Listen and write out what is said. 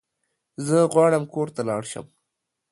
زه غواړم کور ته لاړ شم